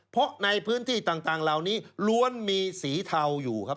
เพราะในพื้นที่ต่างเหล่านี้ล้วนมีสีเทาอยู่ครับ